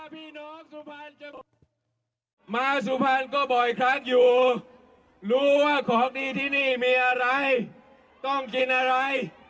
มาสุพรรณก็บ่อยครับอยู่รู้ว่าของดีที่นี่มีอะไรต้องกินอะไร